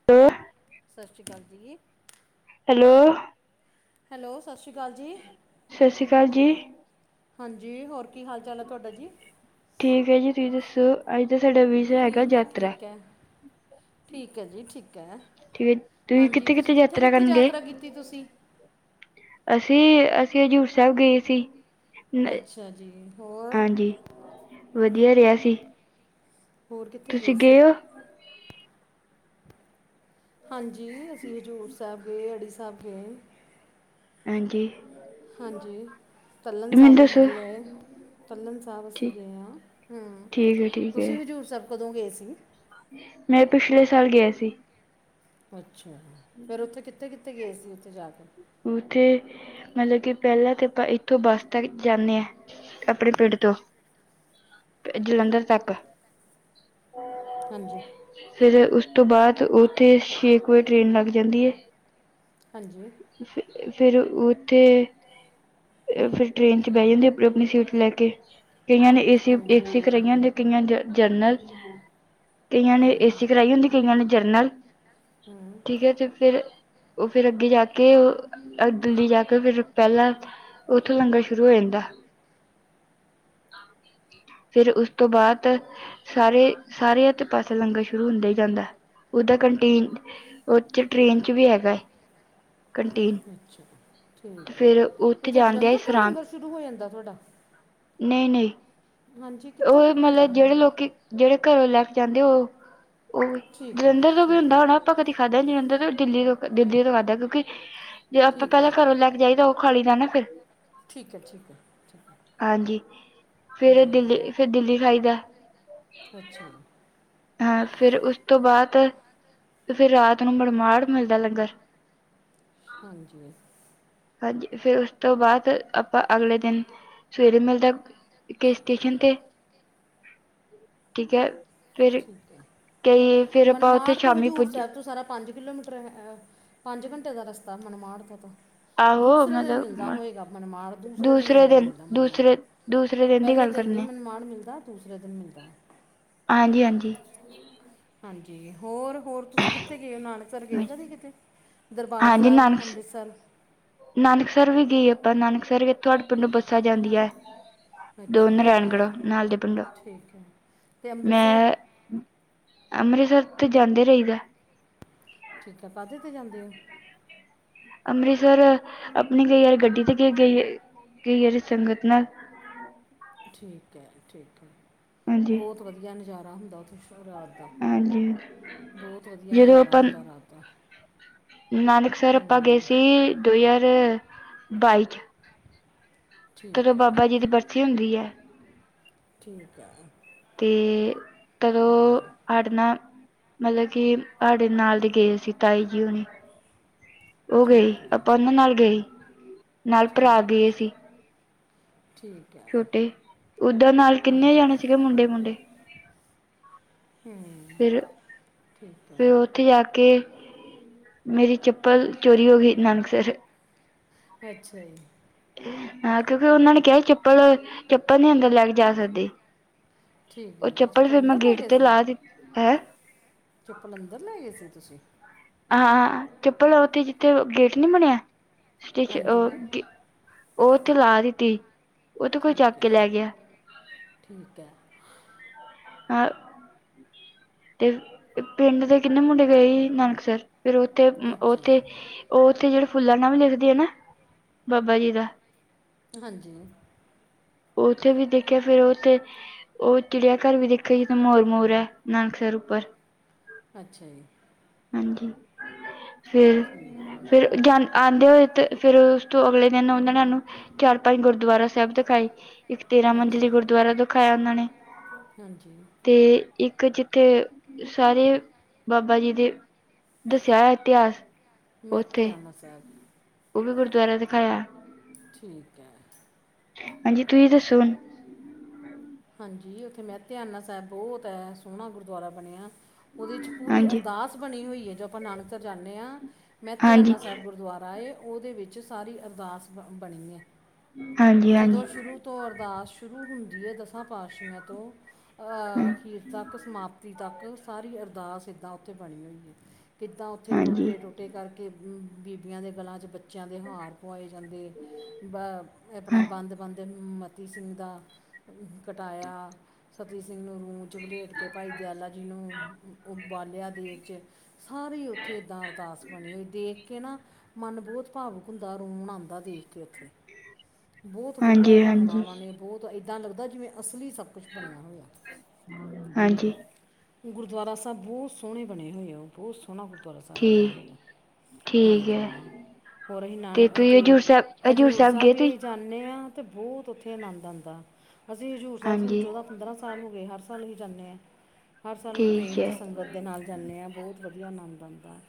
ਇਹ। [inaudible] ਸਤਿ ਸ਼੍ਰੀ ਅਕਾਲ ਜੀ। ਹੈਲੋ। ਹੈਲੋ, ਸਤਿ ਸ਼੍ਰੀ ਅਕਾਲ ਜੀ। ਸਤਿ ਸ਼੍ਰੀ ਅਕਾਲ ਜੀ ਹਾਂਜੀ ਹੋਰ ਕੀ ਹਾਲ ਚਾਲ ਹੈ ਤੁਹਾਡਾ ਜੀ। ਠੀਕ ਹੈ, ਜੀ ਤੁਸੀਂ ਦੱਸੋ ਅੱਜ ਤਾਂ ਸਾਡਾ। ਹੈਗਾ ਠੀਕ ਹੈ, ਯਾਤਰਾ ਠੀਕ ਹੈ, ਠੀਕ ਹੈ ਜੀ ਠੀਕ। ਠੀਕ ਹੈ। ਠੀਕ ਹੈ ਤੁਸੀਂ ਹਾਂਜੀ ਤੁਸੀਂ ਕਿੱਥੇ ਕਿੱਥੇ ਕਰਨ ਗਏ ਯਾਤਰਾ ਕੀਤੀ ਤੁਸੀਂ। ਅਸੀਂ ਅਸੀਂ ਹਜ਼ੂਰ ਸਾਹਿਬ ਗਏ ਸੀ। ਨ- ਅੱਛਾ ਜੀ ਹੋਰ। ਹਾਂਜੀ ਵਧੀਆ ਰਿਹਾ ਸੀ। ਹੋਰ ਕਿੱਥੇ ਗਏ ਤੁਸੀਂ ਸੀ। ਹੋ ਹਾਂਜੀ ਅਸੀਂ ਹਜ਼ੂਰ ਸਾਹਿਬ ਗਏ। ਅੜੀ ਸਾਹਿਬ ਗਏ। ਹਾਂਜੀ। ਹਾਂਜੀ, ਤੱਲਣ ਮੈਨੂੰ ਸਾਹਿਬ ਵੀ ਦੱਸੋ ਗਏ। ਤੱਲਣ ਸਾਹਿਬ ਅਸੀਂ ਠੀ ਗਏ ਹਾਂ ਹੂੰ ਠੀਕ ਹੈ ਠੀਕ ਹੈ ਤੁਸੀਂ ਹਜ਼ੂਰ ਸਾਹਿਬ ਕਦੋਂ ਗਏ ਸੀ। ਮੈਂ ਪਿਛਲੇ ਸਾਲ ਗਿਆ ਸੀ। ਅੱਛਾ ਫੇਰ ਓਥੇ ਕਿੱਥੇ ਕਿੱਥੇ ਗਏ ਸੀ ਓਥੇ ਜਾ ਕੇ? ਓਥੇ ਮਤਲਬ ਕਿ ਪਹਿਲਾਂ ਤਾਂ ਆਪਾਂ ਇੱਥੋਂ ਬੱਸ ਤੱਕ ਜਾਂਨੇ ਆ। ਆਪਣੇ ਪਿੰਡ ਤੋਂ ਜਲੰਧਰ ਤੱਕ। ਹਾਂਜੀ। ਫਿਰ ਉਸ ਤੋਂ ਬਾਅਦ ਉਥੇ ਛੇ ਕੁ ਵਜੇ ਟ੍ਰੇਨ ਲੱਗ ਜਾਂਦੀ ਏ। ਹਾਂਜੀ। ਫ ਫਿਰ ਉੱਥੇ ਫਿਰ ਟ੍ਰਰੇਨ ਚ ਬਹਿ ਜਾਂਦੇ ਆਪਨੀ ਆਪਨੀ ਸੀਟ ਲੈ ਕੇ ਕਈਆਂ ਨੇ ਏ ਸੀ ਹਾਂਜੀ ਏਸੀ ਕਰਾਇਆ ਤੇ ਕਈਆਂ ਜਰਨਲ। ਕਈਆਂ ਹਾਂ ਨੇ ਹਾਂ ਏਸੀ ਕਰਾਈ ਹੁੰਦੀ ਕਈਆਂ ਨੇ ਜਨਰਲ। ਹਮ। ਠੀਕ ਹੈ ਤੇ ਫੇਰ ਓਹ ਫੇਰ ਅੱਗੇ ਜਾ ਕੇ ਦਿੱਲੀ ਜਾ ਕੇ ਫੇਰ ਪਹਿਲਾਂ ਓਥੋਂ ਲੰਗਰ ਸ਼ੁਰੂ ਹੋ ਜਾਂਦਾ। ਫਿਰ ਉਸ ਤੋਂ ਬਾਅਦ ਸਾਰੇ ਸਾਰੇ ਆੱਥੇ ਪਾਸੇ ਲੰਗਰ ਸ਼ੁਰੂ ਹੁੰਦਾ ਇ ਜਾਂਦਾ ਉਦਰ ਕੰਟੀਨ ਉਹਥੇ ਟ੍ਰਰੇਨ ਚ ਵੀ ਹੈਗਾ ਐ। ਅੱਛਾ ਠੀਕ ਤੇ ਏ ਫਿਰ ਉੱਥੇ ਓਥੋਂ ਜਾਂਦੇ ਆ ਜਲੰਧਰ ਤੋਂ ਹੀ ਸਰਾਂ ਲੰਗਰ ਸ਼ੁਰੂ ਹੋ ਜਾਂਦਾ ਤੁਹਾਡਾ। ਨਹੀਂ ਨਹੀਂ ਹਾਂਜੀ ਕਿੱਥੋਂ ਓਹ ਸ਼ੁਰੂ ਹੁੰਦਾ ਮਤਲਬ ਜਿਹੜੇ ਲੋਕੀ ਜਿਹੜੇ ਘਰੋਂ ਲੈ ਕੇ ਆਨ ਦੇ ਓਹ ਓਹ ਠੀਕ ਹੈ ਜਲੰਧਰ ਤੋਂ ਵੀ ਠੀਕ ਹੈ ਹੁੰਦਾ ਹੋਣਾ। ਆਪਾਂ ਕਦੀ ਖਾਧਾ ਜ ਅੰਦਰ ਓਹ ਦਿੱਲੀ ਤੋਂ ਦਿੱਲੀ ਤੋਂ ਖਾਧਾ ਕਿਉਂਕਿ ਜੇ ਆਪਾਂ ਠੀਕ ਪਹਿਲਾਂ ਹੈ ਘਰੋਂ ਲੈ ਕੇ ਜਾਈਦਾ ਓਹ ਖਾਲੀ ਦਾ ਨਾ ਫ਼ਿਰ। ਠੀਕ ਐ ਠੀਕ ਐ ਠੀਕ ਐ। ਹਾਂਜੀ ਫੇਰ ਦਿੱਲੀ ਫਿਰ ਦਿੱਲੀ ਖਾਈਦਾ। ਅੱਛਾ। ਹਾਂ ਫਿਰ ਉਸ ਤੋਂ ਬਾਅਦ ਫਿਰ ਰਾਤ ਨੂੰ ਮਨਮਾੜ ਮਿਲਦਾ ਲੰਗਰ। ਹਾਂ ਹਾਂਜੀ ਬਸ। ਹਾਂਜੀ ਫਿਰ ਉਸ ਤੋਂ ਬਾਅਦ ਆਪਾਂ ਅਗਲੇ ਦਿਨ ਸਵੇਰੇ ਮਿਲਦਾ। ਕੇ ਸਟੇਸ਼ਨ ਤੇ ਠੀਕ ਐ। ਠੀਕ ਐ ਉੱਥੇ ਮਨਮਾੜ ਤੇ ਸ਼ਾਮੀ ਹਜ਼ੂਰ ਪੁੱਜ ਸਾਹਿਬ ਤੋਂ ਸਾਰਾ ਪੰਜ ਕਿਲੋਮੀਟਰ ਪੰਜ ਘੰਟੇ ਦਾ ਰਸਤਾ ਮੰਮਾੜ ਤੋਂ ਤੋਂ। ਆਹੋ ਦੂਸਰੇ ਦਿਨ ਮਿਲਦਾ ਮਤਲਬ ਹੋਏਗਾ ਮਨਮਾੜ ਦੂਸਰੇ ਦਿਨ ਲੰਗਰ ਮਿਲਦਾ ਮਨਮਾੜ। ਦੂਸਰੇ ਦੂਸਰੇ ਦੀ ਪਹਿਲੇ ਗੱਲ ਦਿਨ ਨਹੀਂ ਕਰਨੀ ਮਨਮਾੜ ਮਿਲਦਾ ਦੂਸਰੇ ਦਿਨ ਮਿਲਦਾ। ਹਾਂਜੀ ਹਾਂਜੀ। ਹਾਂਜੀ ਹੋਰ ਹੋਰ ਤੁਸੀਂ ਕਿੱਥੇ ਗਏ ਹੋ ਨਾਲ [unintelligible] ਗਏ ਤਾ ਨੀ ਕਿਤੇ ਦਰਬਾਰ ਹਾਂਜੀ ਸਾਹਿਬ ਨਾਨਕ ਅੰਮ੍ਰਿਤਸਰ। ਨਾਨਕਸਰ ਵੀ ਗਏ ਆਪਾਂ ਨਾਨਕਸਰ ਤੁਹਾਡੇ ਪਿੰਡੋਂ ਬੱਸਾਂ ਜਾਂਦੀਆ ਏ। ਦੋ ਅੱਛਾ ਤੇ ਨਰੇਨਗੜੋ ਨਾਲ ਦੇ ਪਿੰਡੋ ਠੀਕ ਹੈ ਤੇ ਅੰਮ੍ਰਿਤਸਰ ਮੈਂ ਅੰਮ੍ਰਿਤਸਰ ਤੇ ਜਾਂਦੇ ਰਹੀਦਾ। ਠੀਕ ਐ। ਕਾਹਦੇ ਤੇ ਜਾਂਦੇ ਹੋ? ਅੰਮ੍ਰਿਤਸਰ ਆਪਣੀ ਕਈ ਵਾਰ ਗੱਡੀ ਤੇ ਗਈ ਵਾਰ ਕਈ ਸੰਗਤ ਨਾਲ। ਠੀਕ ਐ ਠੀਕ ਐ ਹਾਂਜੀ ਬਹੁਤ ਵਧੀਆ ਨਜ਼ਾਰਾ ਹੁੰਦਾ ਉੱਥੇ ਰਾਤ ਹਾਂਜੀ ਬਹੁਤ ਵਧੀਆ ਨਜ਼ਾਰਾ ਹੁੰਦਾ ਰਾਤ ਦਾ। ਨਾਨਕ ਸਰ ਆਪਾਂ ਗਏ ਹੂੰ ਸੀ ਦੋ ਹਜ਼ਾਰ ਬਾਈ ਚ। ਤਦੋਂ ਠੀਕ ਹੈ ਬਾਬਾ ਜੀ ਦੀ ਬਰਸੀ ਹੁੰਦੀ ਐ। ਠੀਕ ਐ। ਤੇ ਤਦੋਂ ਅੜਨਾ ਮਤਲਬ ਕਿ ਆੜੇ ਨਾਲ ਦੇ ਗਏ ਸੀ ਤਾਈ ਜੀ ਹੁਨੀ। ਓਹ ਗਏ ਠੀਕ ਹੈ ਆਪਾਂ ਓਹਨਾਂ ਨਾਲ ਗਏ। ਨਾਲ ਭਰਾ ਠੀਕ ਗਏ ਐ ਸੀ ਠੀਕ ਹੈ ਛੋਟੇ ਓਦਾਂ ਨਾਲ ਕਿੰਨੇ ਹਾਂਜੀ ਜਾਣੇ ਸੀਗੇ ਮੁੰਡੇ- ਮੁੰਡੇ ਹੂੰ ਫਿਰ ਠੀਕ ਹੈ -ਫਿਰ ਉਹ ਉੱਥੇ ਜਾ ਕੇ ਮੇਰੀ ਚੱਪਲ ਚੋਰੀ ਹੋ ਗਈ ਨਾਨਕਸਰ। ਅੱਛਾ ਜੀ ਹਾਂ ਕਿਉਂਕਿ ਉਹਨਾਂ ਨੇ ਕਿਹਾ ਚੱਪਲ- ਚੱਪਲ ਨੀ ਅੰਦਰ ਲੈ ਕੇ ਜਾ ਸਕਦੇ। ਠੀਕ ਉਹ ਹੈ ਤੁਸੀਂ ਚੱਪਲ ਫੇਰ ਮੈਂ ਅੰਦਰ ਲੈ ਗੇਟ ਤੇ ਲਾ ਦਿੱਤੀ ਹੈਂ। ਚਪਲ ਅੰਦਰ ਲੈ ਗਏ ਸੀ ਤੁਸੀਂ ਹਾਂ ਚੱਪਲ ਉਥੇ ਜਿੱਥੇ ਗੇਟ ਨੀ ਬਣਿਆ ਉਹ ਹਾਂਜੀ ਉਹ ਉੱਥੇ ਲਾ ਦਿੱਤੀ। ਉਹ ਤੇ ਕੋਈ ਠੀਕ ਚੱਕ ਕੇ ਹੈ ਲੈ ਗਿਆ -ਠੀਕ ਹੈ। ਹਾਂ ਤੇ ਪਿੰਡ ਦੇ ਕਿੰਨੇ ਮੁੰਡੇ ਗਏ ਹੀ ਨਾਨਕਸਰ। ਫਿਰ ਉੱਥੇ- ਅੱਛਾ ਉਥੇ ਜੀ ਉਹ ਉੱਥੇ ਜਿਹੜੇ ਫੁੱਲਾਂ ਨ ਵੀ ਲਿਖਦੇ ਆ ਨਾ ਬਾਬਾ ਜੀ ਦਾ ਹਾਂਜੀ ਉੱਥੇ ਵੀ ਦੇਖਿਆ ਫੇਰ ਉੱਥੇ ਉਹ ਚਿੜੀਆ ਘਰ ਵੀ ਦੇਖੋ ਜਿੱਥ ਮੋਰ- ਮੋਰ ਹੈ ਨਾਨਕਸਰ ਉੱਪਰ ਅੱਛਾ ਜੀ ਹਾਂਜੀ ਠੀਕ ਫਿਰ- ਫਿਰ ਹੈ ਗਿਆ ਆਉਂਦੇ ਹੋਏ ਤੇ ਫੇਰ ਉਸ ਤੋਂ ਅਗਲੇ ਦਿਨ ਉਹਨਾਂ ਨੂੰ ਚਾਰ ਪੰਜ ਗੁਰ ਦੁਆਰਾ ਸਾਹਿਬ ਦਿਖਾਈ ਇੱਕ ਤੇਰਾਂ ਅੱਛਾ ਮੰਜਲੀ ਜੀ ਗੁਰਦੁਆਰਾ ਦਿਖਾਇਆ ਉਹਨਾਂ ਨੇ। ਹਾਂਜੀ ਅਤੇ ਇੱਕ ਜਿੱਥੇ ਸਾਰੇ ਬਾਬਾ ਜੀ ਦੇ ਦੱਸਿਆ ਹੋਇਆ ਇਤਿਹਾਸ ਉੱਥੇ ਮੈਤੇਆਨਾ ਸਾਹਿਬ। ਉਹ ਵੀ ਗੁਰਦੁਆਰਾ ਦਿਖਾਇਆ। ਠੀਕ ਹੈ। ਹਾਂਜੀ ਤੁਸੀ ਦੱਸੋ ਹੁਣ ਹਾਂਜੀ ਉੱਥੇ ਮੈਂਤੇਆਨਾ ਸਾਹਿਬ ਬਹੁਤ ਹੈ ਸੋਹਣਾ ਗੁਰਦੁਆਰਾ ਬਣਿਆ। ਉਹਦੇ ਪੂਰੀ ਹਾਂਜੀ ਅਰਦਾਸ ਬਣੀ ਹੋਈ ਹੈ ਜੋ ਆਪਾਂ ਨਾਨਕਸਰ ਜਾਂਣੇ ਆਂ। ਹਾਂਜੀ ਮੈਤੇਆਨਾ ਸਾਹਿਬ ਗੁਰਦੁਆਰਾ ਹੈ ਉਹਦੇ ਵਿੱਚ ਸਾਰੀ ਅਰਦਾਸ ਬ ਬਣੀ ਏ। ਹਾਂਜੀ ਹਾਂਜੀ ਜਦੋਂ ਸ਼ੁਰੂ ਤੋਂ ਅਰਦਾਸ ਸ਼ੁਰੂ ਹੁੰਦੀ ਏ ਦਸਾਂ ਪਾਤਸ਼ੀਆਂ ਤੋਂ ਹਾਂ- ਆਖੀਰ ਤੱਕ ਸਮਾਪਤੀ ਤੱਕ ਸਾਰੀ ਅਰਦਾਸ ਇੱਦਾਂ ਉੱਥੇ ਬਣੀ ਹੋਈ ਹੈ ਕਿੱਦਾਂ ਉੱਥੇ ਹਾਂਜੀ ਟੋਟੇ- ਟੋ ਟੇ ਕਰਕੇ ਬੀਬੀਆਂ ਦੇ ਗਲਾਂ 'ਚ ਬੱਚਿਆਂ ਦੇ ਹਾਰ ਪੁਏ ਜਾਂਦੇ ਆਪਣਾ ਹਾਂ ਬੰਦ -ਬੰਦ ਮਤੀ ਸਿੰਘ ਦਾ ਕਟਾਇਆ। ਸਤੀ ਸਿੰਘ ਨੂੰ ਰੂੰ 'ਚ ਵਲੇਟ ਕੇ ਭਾਈ ਦਿਆਲਾ ਜੀ ਨੂੰ ਉਬਾਲਿਆ ਦੇਗ 'ਚ ਸਾਰੇ ਉੱਥੇ ਏਦਾਂ ਅਰਦਾਸ ਬਣੀ ਹੋਈ ਦੇਖ ਕੇ ਨਾ ਮਨ ਬਹੁਤ ਭਾਵੁਕ ਹੁੰਦਾ ਰੋਣ ਆਉਂਦਾ ਦੇਖ ਕੇ ਉੱਥੇ ਬਹੁਤ ਵਧੀਆ ਹਾਂਜੀ ਢੰਗ ਨਾਲ ਹਾਂਜੀ ਉਹਨਾਂ ਨੇ ਬਹੁਤ ਇੱਦਾਂ ਲੱਗਦਾ ਜਿਵੇਂ ਅਸਲੀ ਸਭ ਕੁਛ ਬਣਿਆ ਹੋਇਆ। ਹਾਂਜੀ ਗੁਰਦੁਆਰਾ ਸਾਹਿਬ ਬਹੁਤ ਸੋਹਣੇ ਬਣੇ ਹੋਏ ਆ ਉਹ ਬਹੁਤ ਸੋਹਣਾ ਗੁਰਦੁਆਰਾ ਸਾਹਿਬ ਬਣਿਆ ਠੀਕ ਹੋਇਆ। ਠੀਕ ਹਾਂਜੀ ਹੈ ਹੋਰ ਅਸੀਂ ਨਾਨ ਤੇ ਤੁਸੀਂ ਉੱਥੇ ਹਜ਼ੂਰ ਸਾਹਿਬ ਹਜ਼ੂਰ ਸਾਹਿਬ ਗਏ ਵੀ ਤੁਸੀਂ ਅਸੀਂ ਜਾਣ ਨੇ ਆਂ ਤੇ ਬਹੁਤ ਉੱਥੇ ਆਨੰਦ ਆਂਦਾ ਅਸੀਂ ਹਜ਼ੂਰ ਸਾਹਿਬ ਹਾਂਜੀ ਚੋਦਾਂ ਪੰਦਰਾਂ ਸਾਲ ਹੋ ਗਏ ਹਰ ਸਾਲ ਅਸੀਂ ਜਾਂਦੇ ਹਾਂ ਹਰ ਸਾਲ ਅਸੀਂ ਠੀਕ ਟ੍ਰਰੇਨ 'ਚ ਹੈ ਸੰਗਤ ਦੇ ਨਾਲ ਜਾਂਦੇ ਹਾਂ ਬਹੁਤ ਵਧੀਆ ਆਨੰਦ ਆਉਂਦਾ ਹੈ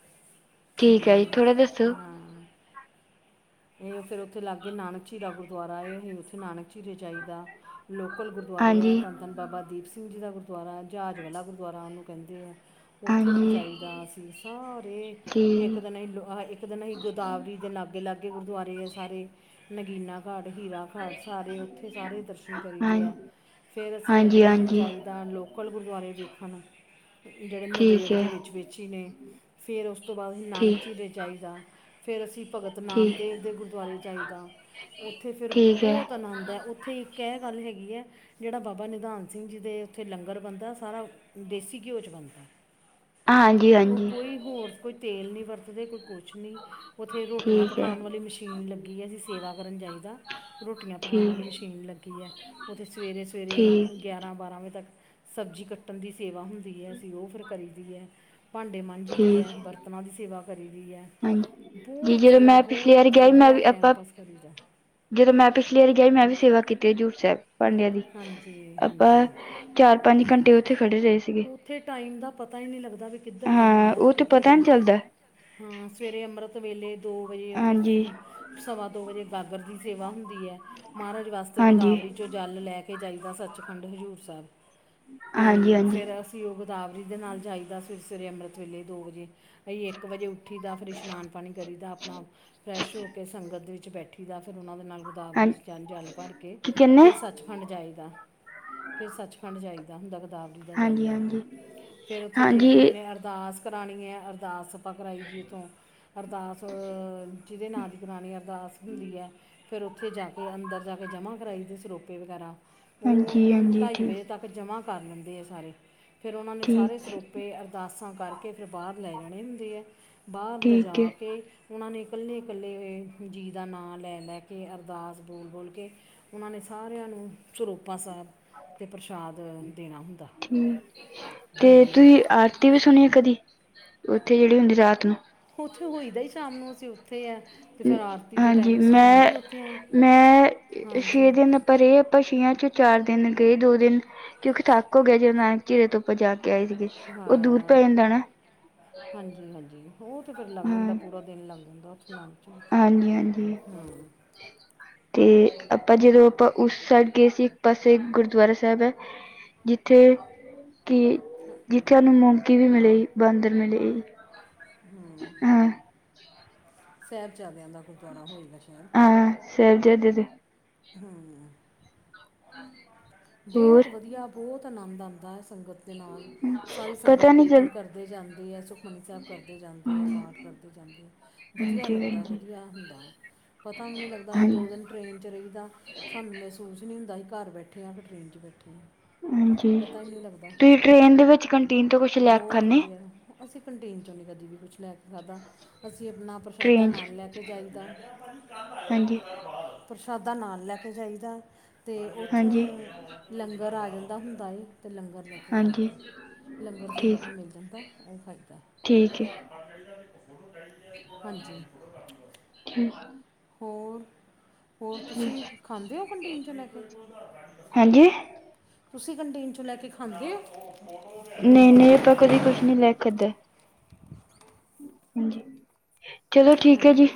ਠੀਕ ਹੈ ਜੀ ਹਮ ਥੋੜਾ ਦੱਸੋ ਹਾਂ ਇਹ ਫਿਰ ਉੱਥੇ ਲਾਗੇ ਗਏ ਨਾਨਕ ਝੀਰਾ ਗੁਰਦੁਆਰਾ ਇਹ ਉੱਥੇ ਨਾਨਕ ਝੀਰਾ ਜਾਈ ਦਾ। ਲੋਕਲ ਗੁਰਦੁਆਰੇ ਹੈ ਹਾਂਜੀ ਧੰਨ ਧੰਨ ਬਾਬਾ ਦੀਪ ਸਿੰਘ ਜੀ ਦਾ ਗੁਰਦੁਆਰਾ ਜਹਾਜ਼ ਵਾਲਾ ਗੁਰਦੁਆਰਾ ਉਹਨੂੰ ਕਹਿੰਦੇ ਆ। ਉੱਥੇ ਵੀ ਹਾਂਜੀ ਜਾਈਦਾ, ਅਸੀਂ ਸਾਰੇ ਇੱਕ ਦਿਨ ਠੀਕ ਹੀ ਇੱਕ ਦਿਨ ਹੀਂ ਗੋਦਾਵਰੀ ਦੇ ਲਾਗੇ ਲਾਗੇ -ਲਾਗੇ ਗੁਰਦੁਆਰੇ ਹੈ ਸਾਰੇ ਨਗੀਨਾ ਘਾਟ ਹੀਰਾ। ਘਰ ਸਾਰੇ ਉੱਥੇ ਸਾਰੇ ਦਰਸ਼ਨ ਹਾਂ ਕਰੀਦੇ ਹੈ। ਫਿਰ ਅਸੀਂ ਹਾਂਜੀ ਅਗਲੇ ਦਿਨ ਹਾਂਜੀ ਜਾਈਦਾ ਲੋਕਲ ਗੁਰਦੁਆਰੇ ਵੇਖਣ ਜਿਹੜੇ ਠੀਕ ਨੰਦੇੜ ਹੈ ਦੇ ਵਿੱਚ -ਵਿੱਚ ਹੀ ਨੇ। ਫਿਰ ਉਸ ਤੋਂ ਬਾਅਦ ਅਸੀ ਨਾਨਕ ਠੀਕ ਚੀਰੇ ਜਾਈਦਾ, ਫਿਰ ਅਸੀਂ ਭਗਤ ਨਾਮ ਠੀਕ ਦੇਵ ਦੇ ਗੁਰਦੁਆਰੇ ਜਾਈਦਾ, ਉੱਥੇ ਫਿਰ ਠੀਕ ਹੈ ਬਹੁਤ ਆਨੰਦ ਹੈ ਉੱਥੇ ਇੱਕ ਕਹਿ ਗੱਲ ਹੈਗੀ ਹੈ। ਜਿਹੜਾ ਬਾਬਾ ਨਿਧਾਨ ਸਿੰਘ ਜੀ ਦੇ ਉੱਥੇ ਲੰਗਰ ਬਣਦਾ ਸਾਰਾ ਦੇਸੀ ਘਿਓ 'ਚ ਬਣਦਾ। ਹਾਂਜੀ ਉਹ ਹਾਂਜੀ ਕੋਈ ਹੋਰ ਕੋਈ ਤੇਲ ਨਹੀਂ ਵਰਤਦੇ ਕੋਈ ਕੁਛ- ਨਹੀਂ ਉੱਥੇ ਰੋਟੀਆਂ ਠੀਕ ਹੈ ਪਕਾਉਣ ਵਾਲੀ ਮਸ਼ੀਨ ਲੱਗੀ ਹੈ ਅਸੀਂ ਸੇਵਾ ਕਰਨ ਜਾਈਦਾ। ਠੀਕ ਠੀਕ [unintelligible] [unintelligible] ਗਿਆਰਾਂ ਬਾਰਾਂ ਵਜੇ ਤੱਕ ਸਬਜ਼ੀ ਕੱਟਣ ਦੀ ਸੇਵਾ ਹੁੰਦੀ ਹੈ ਅਸੀਂ ਉਹ ਫਿਰ ਕਰੀ ਦੀ ਹੈ ਭਾਂਡੇ ਮਾਝਜੀ ਦੀ ਠੀਕ ਹੈ ਬਰਤਨਾਂ ਦੀ ਸੇਵਾ ਕਰੀ ਦੀ ਹੈ। ਹਾਂਜੀ ਜੀ ਬਹੁਤ ਜਦੋਂ ਸੇਵਾ ਮੈਂ ਪਿਛਲੀ ਵਾਰੀ ਬਹੁਤ ਗਿਆ ਸੀ ਮੈਂ ਵਧੀਆ ਵੀ ਟੈਮ ਆਪਾਂ ਪਾਸ ਕਰੀ ਦਾ। ਜਦੋਂ ਮੈਂ ਪਿਛਲੀ ਵਾਰੀ ਗਈ ਮੈਂ ਵੀ ਸੇਵਾ ਕੀਤੀ ਹਜੂਰ ਸਾਹਿਬ ਭਾਂਡਿਆਂ ਦੀ ਹਾਂਜੀ ਆਪਾਂ। ਹਾਂਜੀ ਚਾਰ ਪੰਜ ਘੰਟੇ ਉੱਥੇ ਖੜੇ ਰਹੇ ਸੀ। ਉੱਥੇ ਟਾਈਮ ਦਾ ਪਤਾ ਹੀ ਨਹੀਂ ਲੱਗਦਾ ਵੀ ਕਿੱਧਰ ਟਾਈਮ ਹਾਂ ਆਇਆ ਤੇ ਉਹ ਕਿੱਧਰ ਪਤਾ ਗਿਆ। ਨੀ ਚੱਲਦਾ ਹਾਂ, ਸਵੇਰੇ ਅੰਮ੍ਰਿਤ ਵੇਲੇ ਦੋ ਵਜੇ ਉੱਥੇ ਹਾਂਜੀ ਸਵਾ ਦੋ ਵਜੇ ਗਾਗਰ ਦੀ ਸੇਵਾ ਹੁੰਦੀ। ਮਹਾਰਾਜ ਵਾਸਤੇ ਹਾਂਜੀ ਗੋਦਾਵਰੀ ਚੋਂ ਜਲ ਲੈ ਕੇ ਜਾਈਦਾ ਸੱਚਖੰਡ ਹਜ਼ੂਰ ਸਾਹਿਬ। ਤੇ ਹਾਂਜੀ ਹਾਂਜੀ ਫਿਰ ਅਸੀਂ ਉਹ ਗੋਦਾਵਰੀ ਦੇ ਨਾਲ ਜਾਈਦਾ ਸਵੇਰੇ- ਸਵੇਰੇ ਅੰਮ੍ਰਿਤ ਵੇਲੇ ਦੋ ਵਜੇ। ਅਸੀਂ ਇੱਕ ਵਜੇ ਉੱਠੀ ਦਾ, ਫਿਰ ਇਸ਼ਨਾਨ ਪਾਣੀ ਕਰੀ ਦਾ ਆਪਣਾ ਫਰੈਸ਼ ਹੋ ਕੇ ਸੰਗਤ ਵਿੱਚ ਬੈਠੀ ਦਾ, ਫਿਰ ਉਹਨਾਂ ਦੇ ਨਾਲ ਹਾਂ ਗੋਦਾਵਰੀ ਜ ਜਲ ਭਰ ਕੇ ਕੀ ਕਹਿੰਦੇ ਫਿਰ ਸੱਚ। ਸਚਖੰਡ ਜਾਈਦਾ, ਫਿਰ ਸੱਚਖੰਡ ਜਾਈਦਾ ਹੁੰਦਾ ਕਿਤਾਬ ਵੀ ਜਲ ਹਾਂਜੀ ਲੈ ਕੇ, ਹਾਂਜੀ ਫਿਰ ਉੱਥੇ ਜੇ ਹਾਂਜੀ ਕਿਸੇ ਨੇ ਅਰਦਾਸ ਕਰਾਉਣੀ ਹੈ ਅਰਦਾਸ ਆਪਾਂ ਕਰਾਈ ਜੀ ਉੱਥੋਂ ਅਰਦਾਸ ਜਿਹਦੇ ਨਾਂ ਦੀ ਕਰਾਣੀ ਅਰਦਾਸ ਹੁੰਦੀ ਹੈ। ਫਿਰ ਉੱਥੇ ਜਾ ਕੇ ਅੰਦਰ ਜਾ ਕੇ ਜਮ੍ਹਾਂ ਕਰਾਈ ਦੇ ਸਰੋਪੇ ਵਗੈਰਾ ਉਹ ਹਾਂਜੀ ਹਾਂਜੀ ਢਾਈ ਠੀਕ ਵਜੇ ਤੱਕ ਜਮ੍ਹਾਂ ਕਰ ਲੈਂਦੇ ਆ ਸਾਰੇ। ਫਿਰ ਉਹਨਾਂ ਨੇ ਸਾਰੇ ਠੀਕ ਸਰੋਪੇ ਅਰਦਾਸਾਂ ਕਰਕੇ ਫਿਰ ਬਾਹਰ ਲੈ ਜਾਣੇ ਹੁੰਦੇ ਹੈ। ਬਾਹਰ ਲਿਜਾ ਠੀਕ ਹੈ ਕੇ ਉਹਨਾਂ ਨੇ ਇਕੱਲੇ- ਇਕੱਲੇ ਇਹ ਜੀ ਦਾ ਨਾਂ ਲੈ- ਲੈ ਕੇ ਅਰਦਾਸ ਬੋਲ- ਬੋਲ ਕੇ ਉਹਨਾਂ ਨੇ ਸਾਰਿਆਂ ਨੂੰ ਚੁਰੋਪਾ ਸਾਹਿਬ ਤੇ ਪ੍ਰਸ਼ਾਦ ਦੇਣਾ ਹੁੰਦਾ। ਹਮ ਤੇ ਹੂੰ ਤੁਸੀਂ ਆਰਤੀ ਵੀ ਸੁਣੀ ਕਦੀ, ਉੱਥੇ ਜਿਹੜੀ ਹੁੰਦੀ ਰਾਤ ਨੂੰ ਉੱਥੇ ਹੋਈਦਾ ਹੀ ਸ਼ਾਮ ਨੂੰ ਅਸੀਂ ਉੱਥੇ ਹੈ। ਹਾਂਜੀ ਮੈਂ, ਆ ਮੈਂ ਛੇ ਹਾਂਜੀ ਦਿਨ ਪਰਾਂ ਰ ਪਛੀਆਂ ਚ ਚਾਰ ਦਿਨ ਗਏ, ਦੋ ਦਿਨ ਕਿਉਂਕਿ ਥੱਕ ਹੋ ਗਿਆ ਜਦੋਂ ਨਾਨਕ ਚਿਰੇ ਤੋਂ ਉਪਰ ਜਾ ਕੇ ਆਏ ਸੀਗੇ ਉਹ ਦੂਰ ਹਾਂ ਪੈ ਜਾਂਦਾ ਨਾ ਹਾਂਜੀ -ਹਾਂਜੀ, ਉਹ ਤੇ ਫਿਰ ਲੱਗ ਜਾਂਦਾ ਹਾਂ ਪੂਰਾ ਦਿਨ ਲੱਗ ਜਾਂਦਾ ਉਥੇ ਨਚ ਹੂੰ, ਹਾਂਜੀ ਹਾਂਜੀ ਤੇ ਆਪਾਂ ਜਦੋਂ ਆਪਾਂ ਉਸ ਸਾਈਡ ਗਏ ਸੀ ਇੱਕ ਪਾਸੇ ਗੁਰਦੁਆਰਾ ਸਾਹਿਬ ਹੈ। ਜਿੱਥੇ ਕਿ ਜਿੱਥੇ ਉਹਨੂੰ ਮੋਮਕੀ ਵੀ ਮਿਲੇ, ਬਾਂਦਰ ਮਿਲੇ। ਹਮ ਹਾਂ ਸਾਹਿਬਜ਼ਾਦਿਆਂ ਦਾ ਗੁਰਦੁਆਰਾ ਹੋਏਗਾ ਸ਼ਹਿਰ। ਹਾਂ [unintelligible] [unintelligible] ਹਾਂ, ਹਾਂ, ਬਹੁਤ ਵਧੀਆ ਬਹੁਤ ਆਨੰਦ ਆਉਂਦਾ ਹੈ ਸੰਗਤ ਦੇ ਨਾਲ। ਸਾਰੀ ਸੰਗਤ ਪਤਾ ਨੀ ਚੱਲ ਕੀਰਤਨ ਕਰਦੇ ਜਾਂਦੇ ਹੈ ਸੁਖਮਨੀ ਸਾਹਿਬ ਕਰਦੇ ਜਾਂਦੇ ਹੈ ਪਾਠ ਹਾਂਜੀ ਕਰਦੇ ਜਾਂਦੇ ਹੈ। ਵਧੀਆ ਹਾਂਜੀ ਲੱਗਦਾ ਹਾਂਜੀ ਵਧੀਆ ਹੁੰਦਾ ਪਤਾ ਵੀ ਨਹੀਂ ਲੱਗਦਾ ਅੱਜ ਦੋ ਦਿਨ ਟ੍ਰਰੇਨ 'ਚ ਰਹੀਦਾ ਸਾਨੂੰ ਮਹਿਸੂਸ ਨਹੀਂ ਹੁੰਦਾ ਸੀ ਘਰ ਬੈਠੇ ਹਾਂ ਕਿ ਟ੍ਰਰੇਨ 'ਚ ਬੈਠੇ ਹਾਂ। ਹਾਂਜੀ ਪਤਾ ਹੀ ਨਹੀਂ ਲੱਗਦਾ, ਤੁਸੀਂ ਟ੍ਰੇਨ ਦੇ ਵਿੱਚ ਕੰਟੀਨ ਤੋਂ ਕੁਛ ਲੈ ਕੇ ਬਹੁਤ ਖਾਂਦੇ ਵਧੀਆ। ਅਸੀਂ ਕੰਟੀਨ 'ਚੋਂ ਨਹੀਂ ਕਦੀ ਵੀ ਕੁਛ ਲੈ ਕੇ ਖਾਧਾ। ਅਸੀਂ ਆਪਣਾ ਪ੍ਰਸ਼ਾਦਾ ਟ੍ਰੇਨ 'ਚ ਨਾਲ ਲੈ ਕੇ ਜਾਈਦਾ। ਹਾਂਜੀ ਪ੍ਰਸ਼ਾਦਾ ਨਾਲ ਲੈ ਕੇ ਜਾਈਦਾ ਅਤੇ ਉਥੌ ਹਾਂਜੀ ਲੰਗਰ ਆ ਜਾਂਦਾ ਹੁੰਦਾ ਏ। ਅਤੇ ਲੰਗਰ ਲੈ ਕੇ ਹਾਂਜੀ ਖਾਈਦਾ ਲੰਗਰ ਸੰਗਤ ਠੀਕ ਨੂੰ ਮਿਲ ਜਾਂਦਾ ਉਹ ਖਾਈਦਾ। ਠੀਕ ਹੈ ਹ ਠੀਕ ਹੋਰ, ਹੋਰ ਤੁਸੀਂ ਖਾਂਦੇ ਹੋ ਕੰਟੀਨ ਚੋਂ ਲੈ ਕੇ? ਹਾਂਜੀ ਤੁਸੀਂ ਕੰਟੀੇਨ ਚੋਂ ਲੈ ਕੇ ਖਾਂਦੇ ਹੋ? ਨਹੀਂ ਨਹੀਂ ਆਪਾਂ ਕਦੇ ਕੁਛ ਨੀ ਲੈ ਖਾਦਾ ਹਾਂਜੀ। ਚਲੋ ਠੀਕ ਹੈ ਹਾਂ, ਜੀ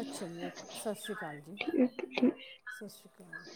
ਅੱਛਾ ਜੀ, ਓਕੇ ਸਤਿ ਸ਼੍ਰੀ ਅਕਾਲ ਜੀ। ਠੀਕ ਠੀਕ ਸਤਿ ਸ਼੍ਰੀ ਅਕਾਲ ਜੀ।